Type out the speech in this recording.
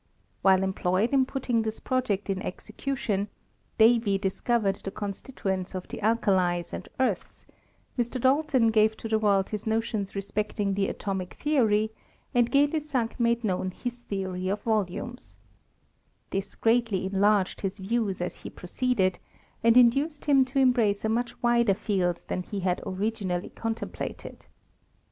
While employed in putting this project in execution, Davy discovered the constituents of the alkalies and earths, Mr. Dalton gave to the world his notions respect ing the atomic theory, and Gay Lussac made known his theory of volumes This greatly enlarged his views as he proceeded, and induced him to embrace a much wider field than he had originally contem plated.